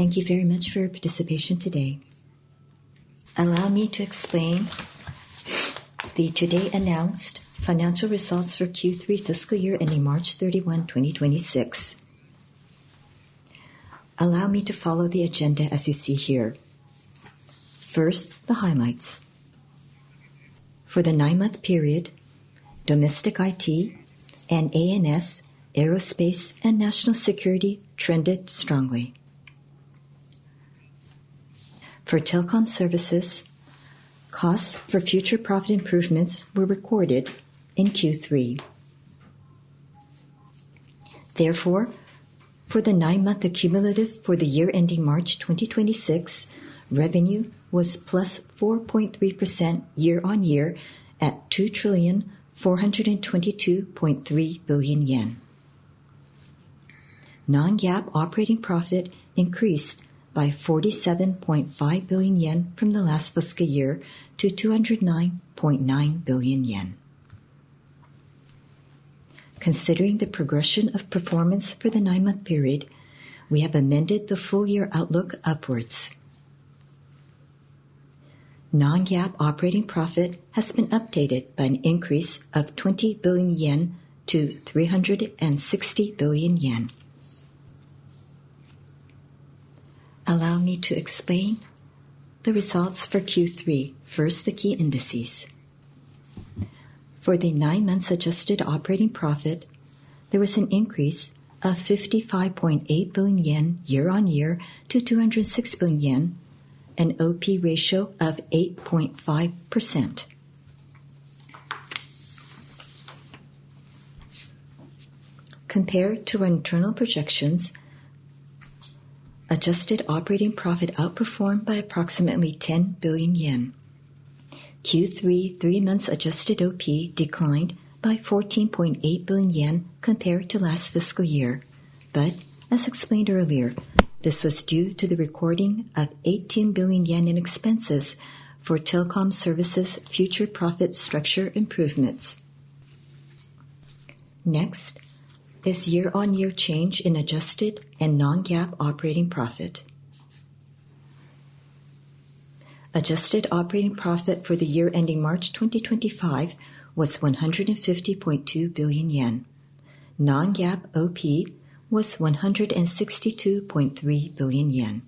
Thank you very much for your participation today. Allow me to explain the today announced financial results for Q3 fiscal year ending March 31, 2026. Allow me to follow the agenda as you see here. First, the highlights. For the nine-month period, Domestic IT and ANS, Aerospace and National Security trended strongly. For Telecom Services, costs for future profit improvements were recorded in Q3. Therefore, for the nine-month accumulative for the year ending March 2026, revenue was +4.3% year-on-year at JPY 2,422.3 billion. Non-GAAP operating profit increased by 47.5 billion yen from the last fiscal year to 209.9 billion yen. Considering the progression of performance for the nine-month period, we have amended the full year outlook upwards. Non-GAAP operating profit has been updated by an increase of 20 billion yen to 360 billion yen. Allow me to explain the results for Q3. First, the key indices. For the nine months adjusted operating profit, there was an increase of JPY 55.8 billion year-on-year to JPY 206 billion, an OP ratio of 8.5%. Compared to our internal projections, adjusted operating profit outperformed by approximately 10 billion yen. Q3 three months adjusted OP declined by JPY 14.8 billion compared to last fiscal year. But as explained earlier, this was due to the recording of 18 billion yen in expenses for Telecom Services' future profit structure improvements. Next, this year-on-year change in adjusted and non-GAAP operating profit. Adjusted operating profit for the year ending March 2025 was JPY 150.2 billion. Non-GAAP OP was JPY 162.3 billion.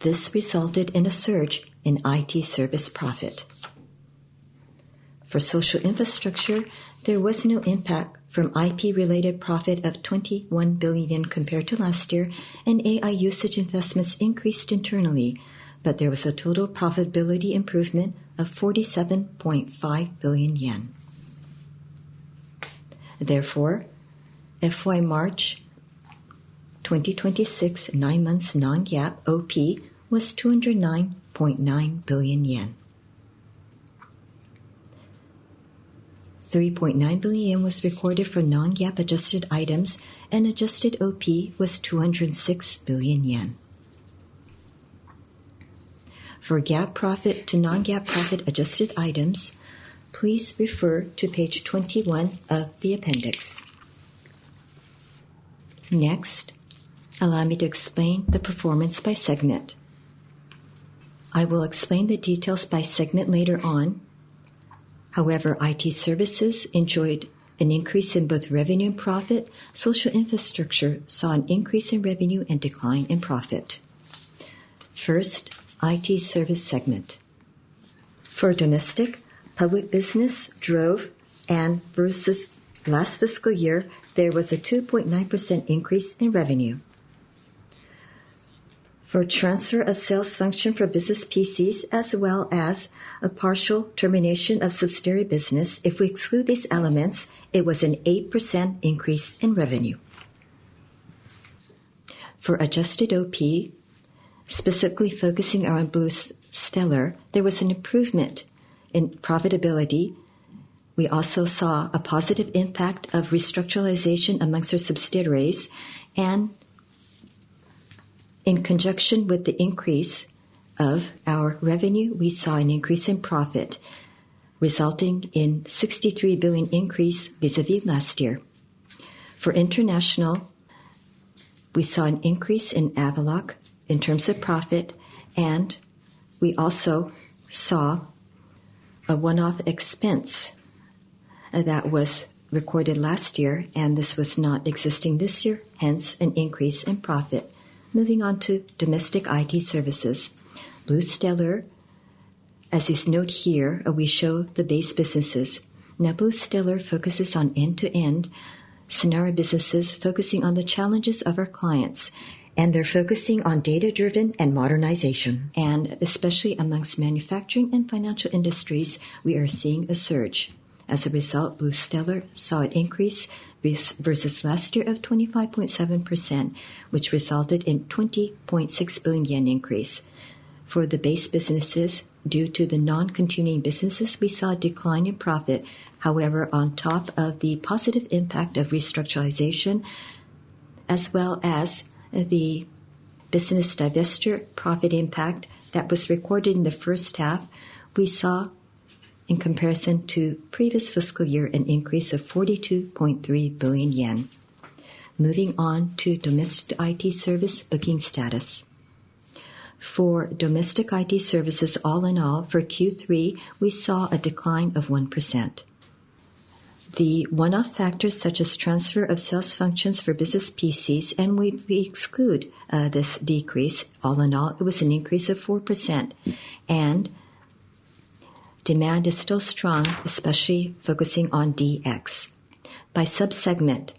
This resulted in a surge in IT service profit. For Social Infrastructure, there was no impact from IP-related profit of 21 billion compared to last year, and AI usage investments increased internally, but there was a total profitability improvement of JPY 47.5 billion. Therefore, FY March 2026, 9 months non-GAAP OP was 209.9 billion yen. 3.9 billion yen was recorded for non-GAAP adjusted items, and adjusted OP was 206 billion yen. For GAAP profit to non-GAAP profit adjusted items, please refer to page 21 of the appendix. Next, allow me to explain the performance by segment. I will explain the details by segment later on. However, IT Services enjoyed an increase in both revenue and profit. Social Infrastructure saw an increase in revenue and decline in profit. First, IT service segment. For domestic, Public Business drove, and versus last fiscal year, there was a 2.9% increase in revenue. For transfer of sales function for business PCs, as well as a partial termination of subsidiary business, if we exclude these elements, it was an 8% increase in revenue. For adjusted OP, specifically focusing on BluStellar, there was an improvement in profitability. We also saw a positive impact of structuralization amongst our subsidiaries, and in conjunction with the increase of our revenue, we saw an increase in profit, resulting in 63 billion increase vis-a-vis last year. For international, we saw an increase in Avaloq in terms of profit, and we also saw a one-off expense that was recorded last year, and this was not existing this year, hence an increase in profit. Moving on to domestic IT Services, BluStellar, as is noted here, we show the base businesses. Now, BluStellar focuses on end-to-end scenario businesses, focusing on the challenges of our clients, and they're focusing on data-driven and modernization, and especially amongst manufacturing and financial industries, we are seeing a surge. As a result, BluStellar saw an increase versus last year of 25.7%, which resulted in 20.6 billion increase. For the base businesses, due to the non-continuing businesses, we saw a decline in profit. However, on top of the positive impact of structuralization, as well as the business divestiture profit impact that was recorded in the first half, we saw in comparison to previous fiscal year, an increase of 42.3 billion yen. Moving on to Domestic IT service booking status. For domestic IT Services, all in all, for Q3, we saw a decline of 1%. The one-off factors, such as transfer of sales functions for business PCs, and we, we exclude this decrease. All in all, it was an increase of 4%, and demand is still strong, especially focusing on DX. By sub-segment,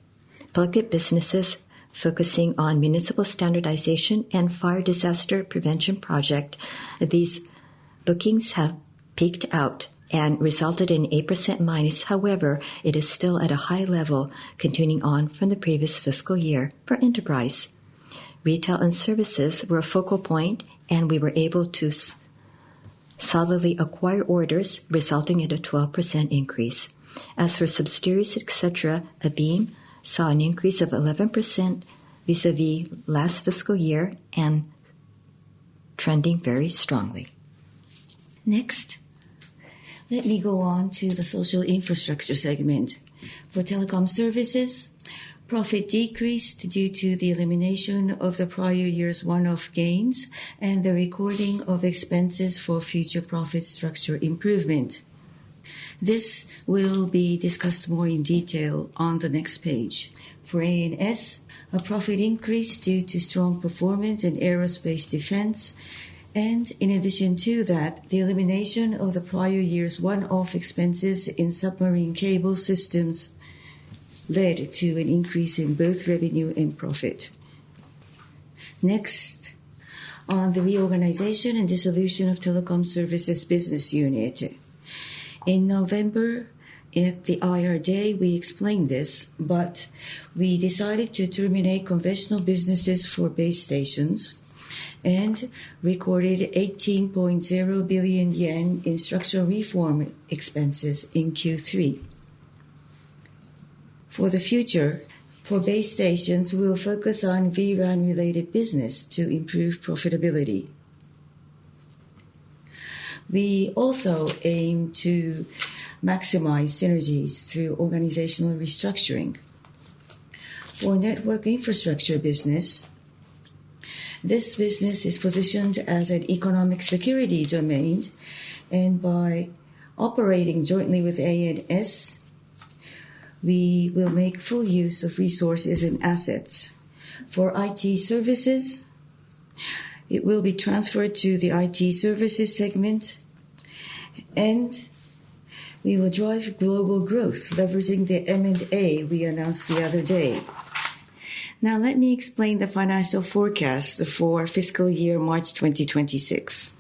Public Businesses focusing on municipal standardization and fire disaster prevention project, these bookings have peaked out and resulted in -8%. However, it is still at a high level, continuing on from the previous fiscal year. For Enterprise, retail and services were a focal point, and we were able to solidly acquire orders, resulting in a 12% increase. As for subsidiaries, et cetera, ABeam saw an increase of 11% vis-a-vis last fiscal year and trending very strongly. Next, let me go on to the Social Infrastructure segment. For Telecom Services, profit decreased due to the elimination of the prior year's one-off gains and the recording of expenses for future profit structure improvement. This will be discussed more in detail on the next page. For ANS, a profit increased due to strong performance in aerospace defense, and in addition to that, the elimination of the prior year's one-off expenses in submarine cable systems led to an increase in both revenue and profit. Next, on the reorganization and dissolution of Telecom Services business unit. In November, at the IR Day, we explained this, but we decided to terminate conventional businesses for base stations and recorded 18.0 billion yen in structural reform expenses in Q3. For the future, for base stations, we will focus on vRAN-related business to improve profitability. We also aim to maximize synergies through organizational restructuring. For network infrastructure business, this business is positioned as an economic security domain, and by operating jointly with ANS, we will make full use of resources and assets. For IT Services, it will be transferred to the IT Services segment, and we will drive global growth, leveraging the M&A we announced the other day. Now, let me explain the financial forecast for fiscal year March 2026.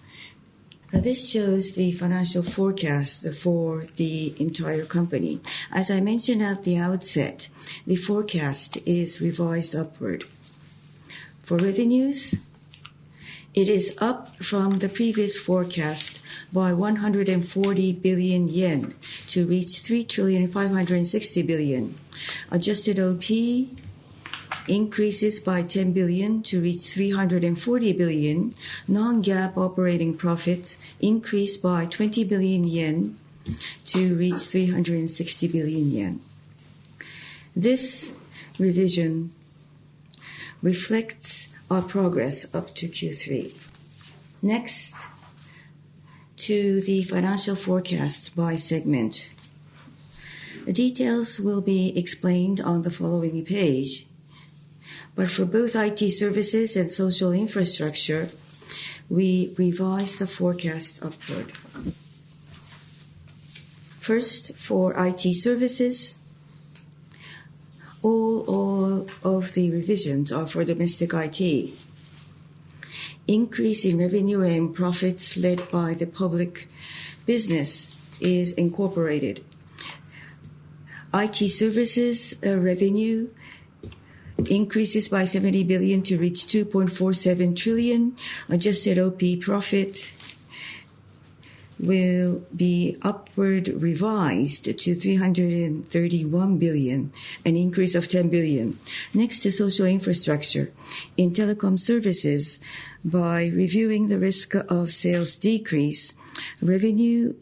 Now, this shows the financial forecast for the entire company. As I mentioned at the outset, the forecast is revised upward. For revenues, it is up from the previous forecast by 140 billion yen to reach 3,560 billion. Adjusted OP increases by 10 billion to reach 340 billion. Non-GAAP operating profit increased by 20 billion yen to reach 360 billion yen. This revision reflects our progress up to Q3. Next, to the financial forecast by segment. The details will be explained on the following page, but for both IT Services and Social Infrastructure, we revised the forecast upward. First, for IT Services, all of the revisions are for Domestic IT. Increase in revenue and profits led by the Public Business is incorporated. IT Services, revenue increases by 70 billion to reach 2.47 trillion. Adjusted OP profit will be upward revised to 331 billion, an increase of 10 billion. Next is Social Infrastructure. In Telecom Services, by reviewing the risk of sales decrease, revenue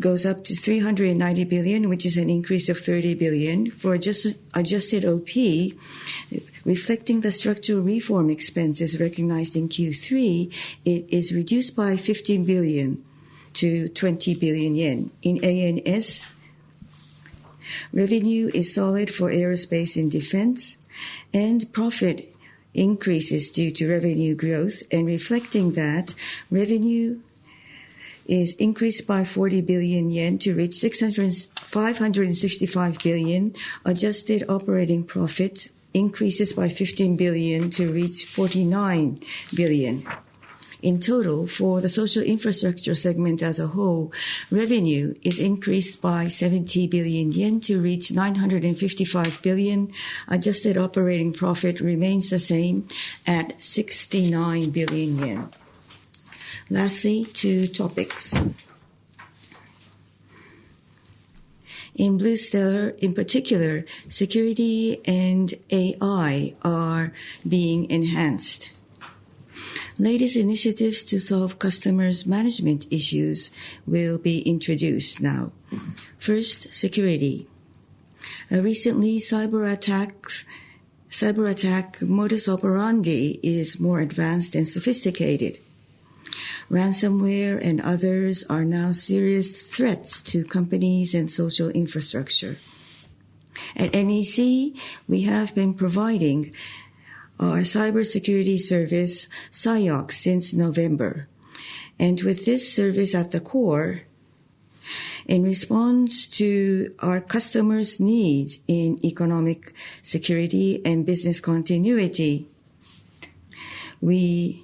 goes up to 390 billion, which is an increase of 30 billion. For adjusted OP, reflecting the structural reform expenses recognized in Q3, it is reduced by 15 billion-20 billion yen. In ANS, revenue is solid for aerospace and defense, and profit increases due to revenue growth. And reflecting that, revenue is increased by 40 billion yen to reach 565 billion. Adjusted operating profit increases by 15 billion to reach 49 billion. In total, for the Social Infrastructure segment as a whole, revenue is increased by 70 billion yen to reach 955 billion. Adjusted operating profit remains the same at 69 billion yen. Lastly, two topics. In BluStellar, in particular, security and AI are being enhanced. Latest initiatives to solve customers' management issues will be introduced now. First, security. Recently, cyberattacks, cyberattack modus operandi is more advanced and sophisticated. Ransomware and others are now serious threats to companies and Social Infrastructure. At NEC, we have been providing our cybersecurity service, CSOC, since November, and with this service at the core, in response to our customers' needs in economic security and business continuity, we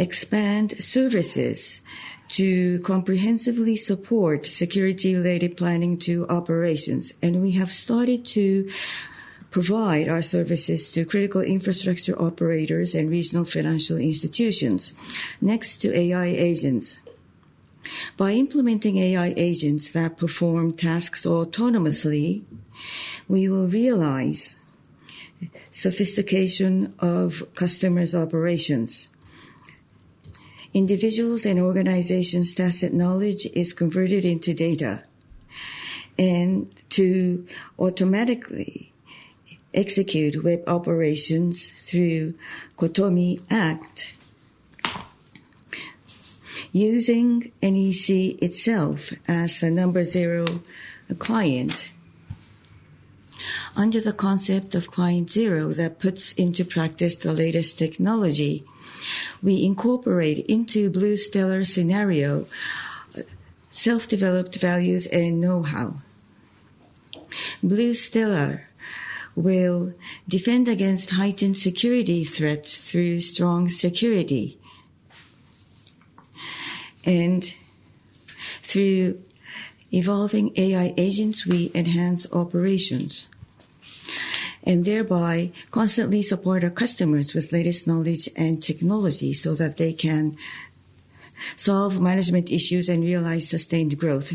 expand services to comprehensively support security-related planning to operations, and we have started to provide our services to critical infrastructure operators and regional financial institutions. Next, to AI agents. By implementing AI agents that perform tasks autonomously, we will realize sophistication of customers' operations. Individuals' and organizations' tacit knowledge is converted into data, and to automatically execute web operations through cotomi ACT, using NEC itself as the number zero client. Under the concept of Client Zero that puts into practice the latest technology, we incorporate into BluStellar scenario, self-developed values and know-how. BluStellar will defend against heightened security threats through strong security, and through evolving AI agents, we enhance operations, and thereby constantly support our customers with latest knowledge and technology, so that they can solve management issues and realize sustained growth.